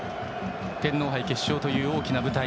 天皇杯決勝という大きな舞台。